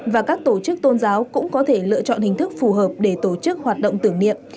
và các tổ chức tôn giáo cũng có thể lựa chọn hình thức phù hợp để tổ chức hoạt động tưởng niệm